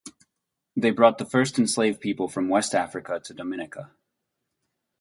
They brought the first enslaved people from West Africa to Dominica.